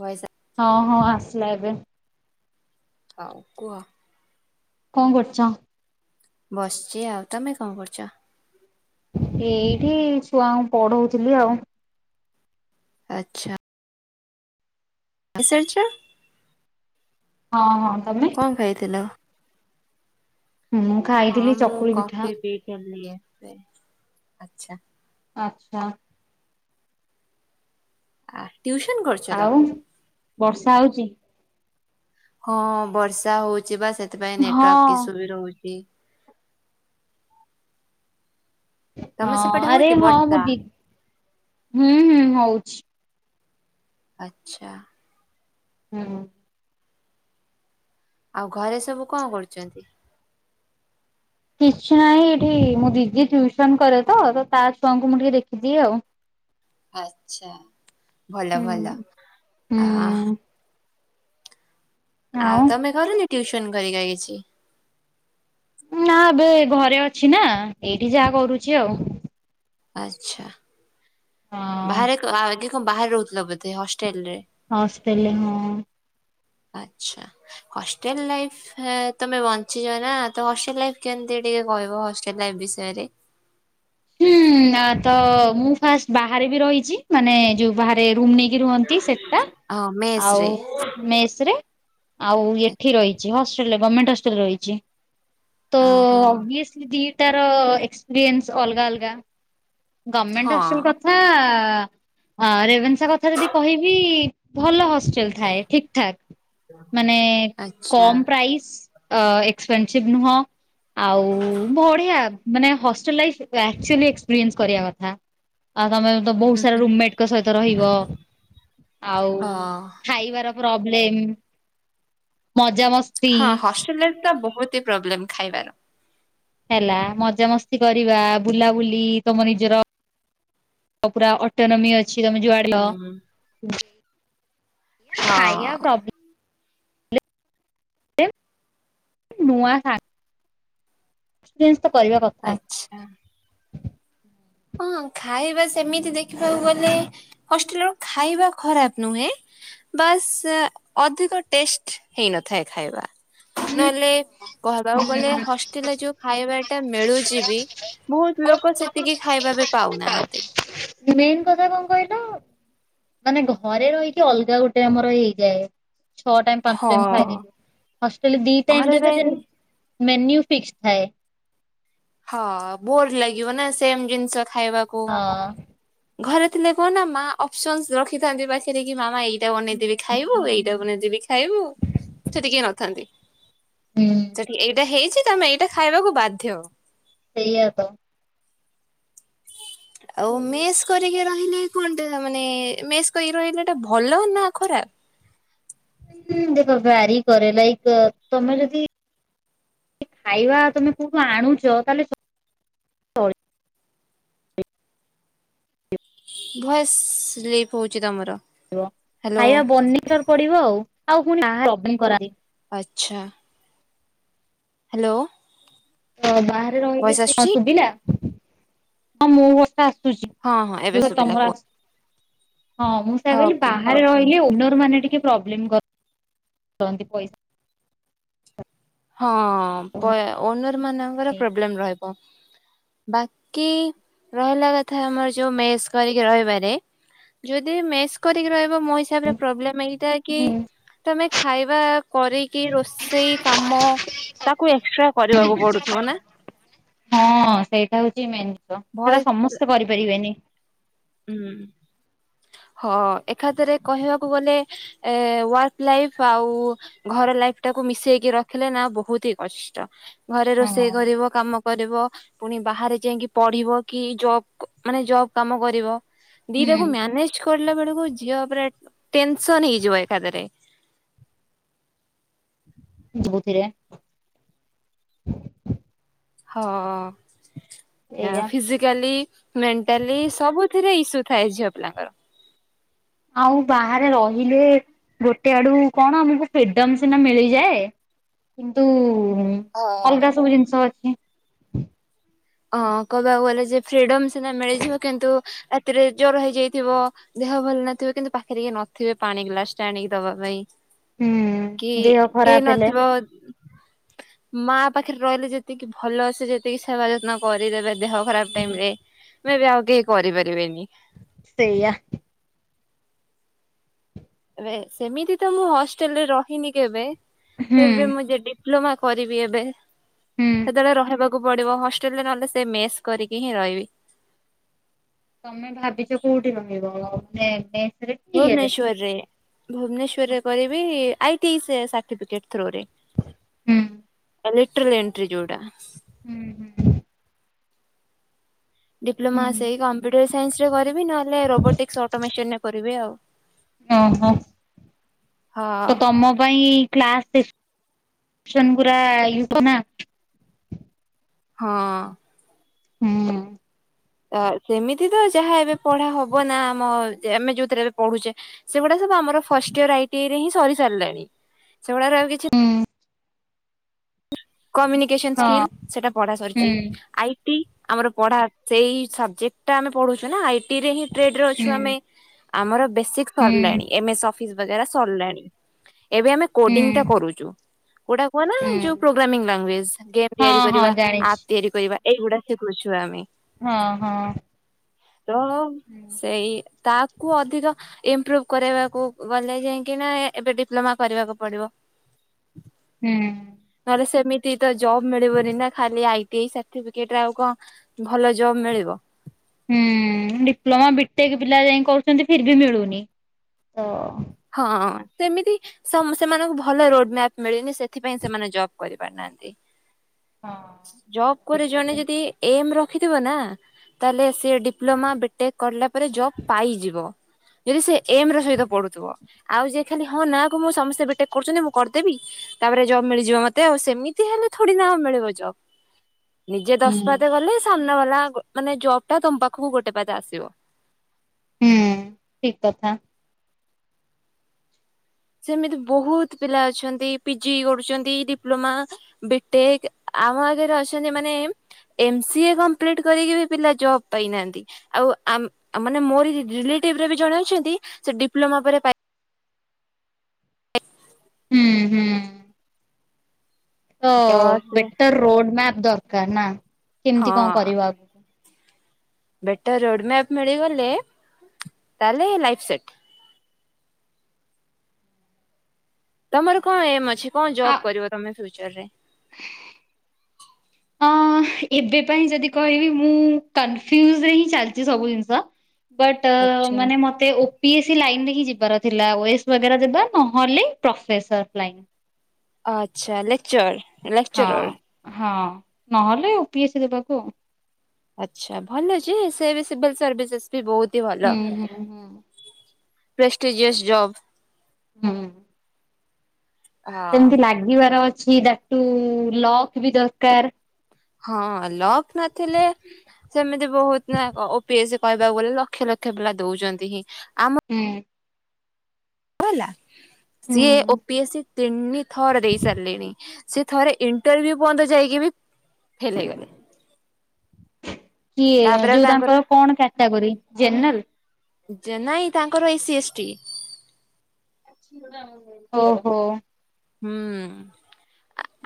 Voice ହଁ ହଁ ଆସିଲା ଏବେ ଆଉ କୁହ? କଣ କରୁଛ? ବସିଛି ଆଉ, ତମେ କଣ କରୁଛ? ଏଇଠି ଛୁଆଙ୍କୁ ପଢଉଥିଲି ଆଉ। ଆଛା। [unintelligible] ହଁ ହଁ ତମେ [unintelligible] ହୁଁ ହଁ ମୁଁ କଫି ପିଥିଲି, ଆଛା। ଆଛା। ଆ ଟିଉସନ କରଛ ଆଉ ତମେ? ବର୍ଷା ହଉଛି। ହଁ ବର୍ଷା ହଉଛି ବା ସେଥିପାଇଁ ହଁ। ନେଟୱାର୍କ ଇସୁ ବି ରହୁଛି। ତମେ ହଁ ସେପଟେ ଆରେ ହଉଛି ହଁ ବର୍ଷା? ମୁଁ ଦି ହୁଁ ହୁଁ ହଉଛି। ଆଛା। ହୁଁ ହଁ ଆଉ ଘରେ ସବୁ କଣ କରୁଛନ୍ତି? କିଛି ନାହିଁ, ଏଠି ମୋ ଦିଦି ଟିଉସନ କରେ ତ, ତା ଛୁଆଙ୍କୁ ମୁଁ ଟିକେ ଦେଖିଦିଏ ଆଉ ଆଛା ଭଲ ହୁଁ। ଭଲ ଆ ହୁଁ ଆଉ ତମେ କରୁନି ଟ୍ୟୁସନ କରିକା କିଛି ନା ଏବେ ଘରେ ଅଛି ନା ଏଇଠି ଯାହା କରୁଛି ଆଉ ଆଚ୍ଛା ହଁ ବାହାରେ କଆ ଆଗେ କଣ ବାହାରେ ରହୁଥିଲ ବୋଧେ ହଷ୍ଟେଲ ରେ ହଷ୍ଟେଲରେ ହଁ। ଆଚ୍ଛା ହଷ୍ଟେଲ ଲାଇଫ ହଁ ତମେ ବଞ୍ଚିଛ ନା ତ ହଷ୍ଟେଲ ଲାଇଫ କେମିତି ଟିକେ କହିବ ହଷ୍ଟେଲ ଲାଇଫ ବିଷୟରେ। ହୁଁ ତ ମୁଁ ଫାଷ୍ଟ ବାହାରେ ବି ରହିଛି, ମାନେ ଯୋଉ ବାହାରେ ନେଇ କି ରୁହନ୍ତି ସେଟା ହଁ ମେସ ଆଉ ରେ ମେସରେ ଆଉ ଏଠି ଆଚ୍ଛା ରହିଛି ହଷ୍ଟେଲରେ ଗମେଣ୍ଟ ହଷ୍ଟେଲରେ ରହିଛି। ତ ଓହୋ ଓବିସଲି ଦିଟାର ଏକ୍ସପିରିଏନ୍ସ ଅଲଗା ଅଲଗା। ଗମେଣ୍ଟେ ହଁ ହଷ୍ଟେଲ କ ଥା ରେଭେନ୍ସା କଥା ଯଦି କହିବି ଭଲ ହଷ୍ଟ ଟେଲ ଥାଏ ଠିକ ଠାକ ମାନେ ଆଚ୍ଛା କମ୍ ପ୍ରାଇସ୍। ଅ ଏକ୍ସପେନସିଭ ନୁହଁ ଆଉ ବଢିଆ ମାନେ ହଷ୍ଟେଲ ଲାଇଫ। ଆକ୍ଚୁଆଲି ଏକ୍ସପିରିଏନ୍ସ କରିବା କଥା, ଆଉ ତମେ ତ ବହୁତ ସାରା ରୁମମେଟଙ୍କ ସହିତ ରହିବ ଆଉ ହଁ ଖାଇବାର। ପ୍ରବଲେମ ମଜା ମସ୍ ହଁ ହଷ୍ଟେଲ ରେ ତ ବହୁତ ହି ପ୍ରୋବ୍ଲେମ ଖାଇବାର ହେଲା ମଜାମସ୍ତି କରିବା ବୁଲାବୁଲି ତମ ନିଜର ଅ ପୁରା ଅଟୋନମି ଅଛି ତମେ ଯୁଆଡ ଲ ହୁଁ ଖାଇବା ହଁ ପ୍ରୋବ୍ଲେମ ନୂଆ ସା କିଛି ଜିନିଷ କରିବା କ ଆଛ। ହଁ ଖାଇବା ସେମିତି ଦେଖିବାକୁ ଗଲେ ହଷ୍ଟେଲ ର ଖାଇବା ଖରାପ ନୁହେଁ। ବାସ୍ ଅଧିକ ଟେଷ୍ଟ ହେଇନଥାଏ ଖାଇବା। ନହେଲେ କହିବାକୁ ଗଲେ ହଷ୍ଟେଲରେ ଯୋଉ ଖାଇବାଟା ମିଳୁଛି ବି ବହୁତ ଲୋକ ସେତିକି ଖାଇବା ବି ପାଉନାହାନ୍ତି। ମେନ କଥା ଙ୍କ କହିଲ ମାନେ ଘରେ ରହିକି ଅଲଗା ଗୋଟେ ଆମର ହେଇଯାଏ ଛଅ ଟାଇମ ପାଞ୍ଚ ହଁ। ଟାଇମ ଖାଇଦେବି। ହଷ୍ଟେଲ ଦିଟାଇମ ଘରେ ଦେବେ ରହିଲେ ଦେନ୍ ମେନ୍ୟୁ ଫିକ୍ସ ଥାଏ। ହଁ ବୋର ଲାଗିବନା ସେମ ଜିନିଷ ଖାଇବାକୁ। ହଁ। ଘରେ ଥିଲେ କଅଣନା ମା ଅଫ୍ସନସ ରଖିଥାନ୍ତି ପାଖରେ କି ମାମା ଏଇ ଏଇଟା ବନେଇଦିବି ଖାଇବୁ ଏଇଟା ବନେଇିବି ଖାଇବୁ ସେଠି କେହି ନଥାନ୍ତି। ହୁଁ। ସେଠି ଏଇଟା ହେଇଛି ତମେ ଏଇଟା ଖାଇବାକୁ ବାଧ୍ୟ। ସେଇଆ ତ। ଆଉ ଉଁ, ମେସ୍ କରିକି ରହିଲେ କନ୍ ଟା ମାନେ ମେସ୍ କରିକି ରହିବା ଭଲ ନା ଖରାପ? ହୁଁ ଦେଖ ଭ୍ୟାରି କରେ ଲାଇକ ତମେ ଯଦି ଖାଇବା ତମେ କୋଉଠୁ ଆଣୁଚ ତାହେଲେ ତ ଭଏସ ଲିପ୍ ହଉଛି ତମର। Hello hello. ଖାଇବା ବନି ରୁ ପଡିବ ଆଉ ଆଉ ଫୁଣି ଆ ଡବଲିନ୍ କରାନ୍ତି। ଆଚ୍ଛା ହାଲୋ ବାହାରେ ରହିଲେ ସେ ଆସୁଛି ଶୁଭିଲା ହଁ ମୁଁ ଆସୁଛି ହଁ ହଁ ଏବେ ଯଉ ଶୁଭିଲା ତମର କୁହ। ଆସ ହଁ ମୁଁ ସେଇଆ ହଁ କହିଲି କୁ ବାହାରେ ରହିଲେ ଓନର୍ ମାନେ ଟିକେ ଟିକେ ପ୍ରୋବ୍ଲେମ୍ କ କରନ୍ତି ପଇସା ହଁ ପା ଓନର ମାନଙ୍କର ନେଇକି। ପ୍ରୋବ୍ଲେମ ରହିବ। ବାକି ରହିଲା କଥା ଆମର ଯୋଉ ମେସ କରିକି ରହିବାରେ। ଯଦି ମେସ୍ କରିକି ରହିବ ମୋ ହିସାବରେ। ପ୍ରୋବ୍ଲମ ଏଇଟା କି ତମେ ଖାଇବା କରିକି ରୋଷେଇ କା ତ ତାକୁ ଏକ୍ସଟ୍ରା କରିବାକୁ ପଡୁଥିବ ନା। ହଁ ସେଇଟା ହଉଛି ମେନ୍ ଜିନିଷ ସେଇଟା ଭଏସ ସମସ୍ତେ କରିପାରିବେନି। ହୁଁ। ହଁ ଏକାଥରେ କହିବାକୁ ଗଲେ ଏ ୱାର୍କ ଲାଇଫ ଆଉ ଘର ଲାଇଫ ଟାକୁ ମିଶେଇକି ରଖିଲେ ନା ବହୁତ ହି କଷ୍ଟ ଘରେ ହଁ ରୋଷେଇ କରିବ କାମ। କରିବ ପୁଣି ବାହାରେ ଯାଇକି ପଢିବ କି ଜବ ମାନେ ଜବ କାମ କରିବ। ଦିଟାକୁ ହୁଁ ମ୍ୟାନେଜ କରିଲା ବେଳକୁ ଝିଅ ଉପରେ ଟେନସନ ହେଇଯିବ ଏକାଥରେ। ଯୁବୁଥିରେ। ହଁ ଏଇଆ ଫିଜିକାଲି। ମେଣ୍ଟାଲି ସବୁଥିରେ ଇସୁ ଥାଏ ଝିଅ ପିଲାଙ୍କର। ଆଉ ବାହାରେ ରହିଲେ ଗୋଟେ ଆଡୁ କଣ ଆମକୁ ଫ୍ରୀଡମ ସିନା ମିଳିଯାଏ। କିନ୍ତୁ ହଁ ଅଲଗା ସବୁ ଜିନିଷ ଅଛି। ହଁ କହିବାକୁ ଗଲେ ଯେ ଫ୍ରିଡମ ସିନା ମିଳିଯିବ କିନ୍ତୁ ରାତିରେ ଜର ହେଇଯାଇଥିବ। ଦେହ ଭଲ ନଥିବ କିନ୍ତୁ ପାଖରେ ଇଏ ନଥିବେ ପାଣି ଗ୍ଲାସ ଟେ ଆଣିକି ଦବା ପାଇଁ। ହୁଁ କି ଦେହ କେହି ଖରାପ ହେଲେ ନଥିବ। ମା ପାଖରେ ରହିଲେ ଯେତିକି ଭଲସେ ଯେତିକି ସେବା ଯତ୍ନ କରିଦେବେ। ଦେହ ଖରାପ ହୁଁ ଟାଇମ ରେ ମେ ବି ଆଉ କେହି କରି ପାରିବେନି। ସେୟା। ଏବେ ସେମିତି ତ ମୁଁ ହଷ୍ଟେଲ ରେ ରହିନି କେବେ ହୁଁ ଫିର ବି ମୁଁ ଯଦି। ଡିପ୍ଲୋମା କରିବି ଏବେ ହୁଁ ସେତେବେଳେ ରହିବାକୁ। କୁ ପଡିବ ହଷ୍ଟେଲ ରେ ନହଲେ ସେ ମେସ୍ କରିକି ହିଁ ରହିବି। ତମେ ଭାବିଚ କୋଉଠି ରହିବ ସେ ମେସ ରେ। ଭୁବନେଶ୍ୱରେ ଭୁବନେଶ୍ଵରରେ କରିବି ଆଇ ଟି ଆଇ ସ ସାର୍ଟିଫିକେଟ ଥ୍ରୋ ରେ ‌। ହୁଁ। ଏଲିକଟ୍ରାଲ ଏଣ୍ଟ୍ରି ଯୋଉଟା। ଉଁ ହୁଁ। ଡିପ୍ଲୋମା ହୁଁ। ସେଇ କମ୍ପ୍ୟୁଟର ସାଇନ୍ସ ରେ କରିବି ନହେଲେ ରୋବୋଟିକ୍ସ ଅଟୋମେସନରେ କରିବି ଆଉ। ଓହୋ ହଁ ତ ତମ ପାଇଁ। କ୍ଲାସ୍ ଟିଉସନ ପୁରା [unintelligible] ନା ହଁ। ହୁଁ। ଆ ସେମିତି ତ ଯାହା ଏବେ ପଢା ହବ ନା ଆମ ଆମେ ଯୋଉଥିରେ ଏବେ ପଢୁଛେ। ସେଗୁଡା ସବୁ ଆମର first year I T I ରେ ହିଁ ସରି ସାରିଲାଣି ସେଗୁଡାର ଆଉ କିଛି ହୁଁ କମ୍ୟୁନିକେସନ ସ୍କିଲ୍ ହଁ ସେଟା ପଢା ସରିଚି ହୁଁ। ଆଇ ଟି ଆମର ପଢା ସେଇ ସବଜେକ୍ଟ ଟା ଆମେ ପଢୁଛୁ ନା ଆଇଟି ରେ ହିଁ ଟ୍ରେଡ ରେ ଅଛୁ ହୁଁ ଆମେ ଆମର ବେସିକ ହୁଁ ସରିଲାଣି ଏମ ଏସ୍ ଅଫିସ ବାଗେରା ସରଲାଣି। ଏବେ ଆମେ କୋଡିଂ ଟା ହୁଁ କରୁଚୁ କୋଉଟା କୁହନା ହୁଁ ଯୋଉ ପ୍ରୋ ଗ୍ରାମିଙ୍ଗ ଲାଙ୍ଗୁଏଜ୍ ଗେମ୍ ହଁ ତିଆରି ହଁ କରିବା ଜାଣିଛି। ଆପ୍ ତିଆରି କରିବା ଏଇଗୁଡା ଶିଖୁଛୁ ଆମେ। ହଁ ହଁ। ର ହୁଁ। ସେଇ ତା କୁ ଅଧିକ। ଇମ୍ପ୍ରୁଭ କରିବାକୁ ଗଲେ ଯାଇକିନା ଏବେ ଡିପ୍ଲୋମା କରିବାକୁ ପଡିବ। ହୁଁ। ନହେଲେ ସେମିତି ତ ଜବ ମିଳିବନି ନା ଖାଲି ଆଇ ଟି ଆଇ ସାର୍ଟିଫିକେଟ ରେ ଆଉ କ କଁ ଭଲ ଜବ୍ ମିଳିବ। ହୁଁ ଡିପ୍ଲୋମା ବିଟେକ୍ ପିଲା ଯାଇ କରୁଛନ୍ତି ଫିର ବି ମିଳୁନି ତ ହଁ ସେମିତି ସ ସେମାନଙ୍କୁ ଭଲ ରୋଡ ମ୍ୟାପ୍ ମିଳିନି ସେଥିପାଇଁ ସେମାନେ ଜବ୍ କରି ପାରୁନାହାନ୍ତି। ଜବ ହଁ। କରେ ଜଣେ ଯଦି। ଏମ୍ ରଖିଥିବ ନା ତାହେଲେ ସେ ଡିପ୍ଲୋମା, ବିଟେକ୍ କରଲା ତାପରେ ଜବ ପାଇଯିବ ଯଦି ସେ ଏମ ର ସହିତ ପଢୁଥିବ। ଆଉ ଯିଏ ଖାଲି ହଁ ନା କୁ ମୁଁ ସମସ୍ତେ ବିଟେକ୍ କରୁଛନ୍ତି ମୁଁ କରିଦେବି। ତାପରେ ଜବ୍ ମିଳିଯିବ ମତେ ଆଉ ସେମିତି ହେଲେ ଥୋଡି ନାଁ ମିଳିବ ଜବ୍। ନିଜେ ହୁଁ ଦଶ ପାଦେ ଗଲେ ସାମ୍ନା ବାଲା ମାନେ ଜବ ଟା ତମ ପାଖକୁ ଗୋଟେ ପାଦେ ଆସିବ। ହୁଁ ଠିକ କଥା। ସେମିତି ବହୁତ ପିଲା ଅଛନ୍ତି ପିଜି କରୁଛନ୍ତି, ଡିପ୍ଲୋମା ବିଟେକ୍, ଆମ ଆଗରେ ଅଛନ୍ତି ମାନେ ଏମ ସିଏ କମ୍ପ୍ଲିଟ କରିକି ବି ପିଲା ଜବ୍ ପାଇନାହାନ୍ତି। ଆଉ ଆ ମାନେ ମୋର ରିଲେଟିଭରେ ବି ଜଣେ ଅଛନ୍ତି ସେ ଡିପ୍ଲୋମା ପରେ ପାଇ ହୁଁ ହୁଁ। ତ ବେଟର ରୋଡ ମ୍ୟାପ୍ ଦରକାର ନା କେମତି ହଁ କଣ କରିବ ଆଗ ବେଟର ରୋଡ ମ୍ୟାପ ମିଳିଗଲେ ତାହେଲେ ଲାଇଫ୍ ସେଟ୍। ତମର କଣ ଏମ ଅଛି କଣ ଜବ ଆ କରିବ ତମେ ଫ୍ୟୁଚର ରେ? ହଁ ଏବେ ପାଇଁ ଯଦି କହିବି ମୁଁ କନଫୁଜ ରେ ହିଁ ଚାଲିଛି ସବୁ ଜିନିଷ। ବଟ ଆଚ୍ଛା ମାନେ ମ ତେ ଓପିଏସ୍ ଲାଇନ ରେ ହିଁ ଯିବାର ଥିଲା ଓସ୍ ବାଗେରା ଦେବା ନହେଲେ ପ୍ରଫେସର ଲାଇନ। ଆଚ୍ଛା ଲେକ୍ଚର। ଲେକ୍ଚରର। ହଁ ହଁ ନହେଲେ ଓପିଏସ୍ ଦେବାକୁ ଆଉ। ଆଚ୍ଛା ଭଲଯେ ସେ ସିଭଲ୍ ସର୍ଭିସେସ୍ ବି ବହୁତି ଭଲ। ହୁଁ ହୁଁ ହୁଁ ପ୍ରେଷ୍ଟଟିଜିୟସ ଜବ୍। ହୁଁ। ହଁ ସେମିତି ଲାଗିବାର ଅଛି ଦ୍ୟାଟ ଟୁ ଲକ୍ ବି ଦରକାର। ହଁ ଲକ୍ ନଥିଲେ ସେମିତି ବହୁତ ନା ଓପିଏସ କହିବାକୁ ଗଲେ ଲକ୍ଷ ଲକ୍ଷ ପିଲା ଦଉଛନ୍ତି ହିଁ। ଆମ ହୁଁ। ହେଲା ସିଏ ହୁଁ ଓପିଏସ୍ ସି ତିନି ଥର ଦେଇ ସାରିଲେଣି। ସେ ଥରେ ଇଣ୍ଟରଭି୍ୟୁ ପର୍ଯ୍ୟନ୍ତ ଯାଇକି ବି ଫେଲ ହେଇଗଲେ। କିଏ ତାପରେ ଆଉ ଯୋଉ ତାଙ୍କର କଣ କ୍ୟାଟାଗୋରୀ ଜେନେରାଲ? ନାଇଁ ତାଙ୍କର ଏସିି ଏସ୍ ଟି। ଓ ହୋ। ହୁଁ।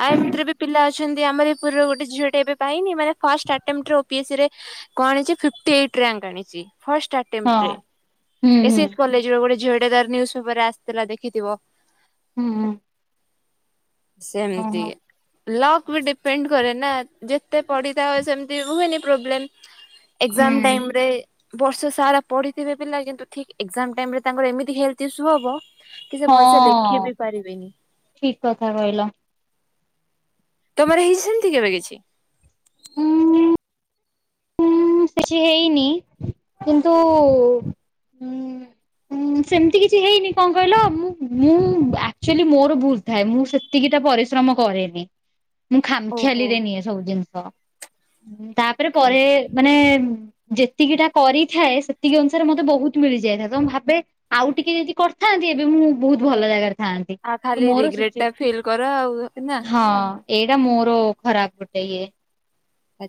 ଆ ଏମତିରେ ପିଲା ଅଛନ୍ତି ଆମର ପୁରୀର ଗୋଟେ ଝିଅଟେ ଏବେ ପାଇନି ମାନେ ଫାର୍ଷ୍ଟ ଆଟେମ୍ପ୍ଟ ରେ ଓପି ଏସ୍ ସି ରେ। କଣଯେ ଫିଫ୍ଟୀ ଏଇଟ ରାଙ୍କ ଆଣିଛି ଫାର୍ଷ୍ଟ ହଁ। ଆଟେମ୍ପଟ୍ ରେ। ହୁଁ ଏ ହୁଁ ସି ଏଫ୍ କଲେଜ ରେ ଗୋଟେ ଝିଅଟେ ଆସେ ନ୍ୟୁସ୍ ପେପର ରେ ଆସିଥିଲା ଦେଖିଥିବ। ହୁଁ ହୁଁ। ସେମିତି। ଓହୋ। ଲକ୍ ବି ଡିପେଣ୍ଡ କରେ ନା ଯେତେ ପଢ଼ିଥା ସେମିତି ହୁଏନି ପ୍ରୋବ୍ଲେମ୍। ଏକ୍ସାମ୍ ଜାମ ହୁଁ। ଟାଇମ ରେ ବର୍ଷ ସାରା ପଢିଥିବେ ପିଲା କିନ୍ତୁ ଠିକ ଏକ୍ସାମ ଟାଇମ୍ ରେ ତାଙ୍କର ଏମତି ହେଲ୍ଥ ଇସ୍ୟୁ ହବ କି ସେ ହଁ ଭଲସେ ଲେଖି ବି ପାରିବେନି ଠିକ କଥା କହିଲ। ତମର ହେଇଛି ସେମିତି କେବେ କିଛି? ଉଁ ଉଁ କିଛି ହେଇନି। କିନ୍ତୁ ଉଁ ସେମିତି କିଛି ହେଇନି କଣ କହିଲ ମୁଁ ମୁଁ ଆକ୍ଚୁଆଲି ମୋର ଭୁଲ ଥାଏ ମୁଁ। ସେତିକି ଟା ପରିଶ୍ରମ କରେନି। ମୁଁ ଖାମଖିଆଲି ଓହୋ ରେ ନିଏ ସବୁ ଜିନିଷ ତାପରେ ଥ୍ୟାଙ୍କ ପରେ ମାନେ ଯେତିକି ଟା କରିଥାଏ। ସେତିକି ଅନୁସାରେ ମତେ ବହୁତ ମିଳିଯାଇଥାଏ। ତମେ ଭାବେ ଆଉ ଟିକେ ଯଦି କରିଥାନ୍ତି। ଏବେ ମୁଁ ବହୁତ ଭଲ ଜାଗାରେ ଥାନ୍ତି। ଆଉ ଖାଲି ମୋର ରିଗ୍ରେଟ ଟା [unintelligible] ଫିଲ୍ କର ଆଉ ନା। ହଁ। ଏଇଟା ମୋର ଖରାପ ଗୋଟେ ଇଏ। ହଉ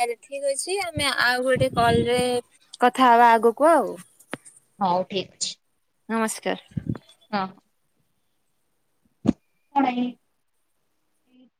ତାହେଲେ ଠିକ ଅଛି। ଆମେ ଆଉ ଗୋଟେ କଲରେ କଥା ହବା ଆଗକୁ ଆଉ। ହଉ ଠିକ୍ ଅଛି। ନମସ୍କାର। ହଁ। କଣାଇ।